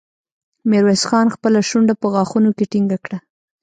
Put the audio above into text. ميرويس خان خپله شونډه په غاښونو کې ټينګه کړه.